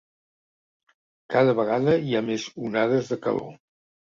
Cada vegada hi ha més onades de calor.